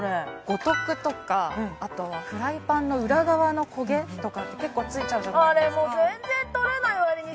五徳とかあとはフライパンの裏側の焦げとかって結構ついちゃうじゃないですか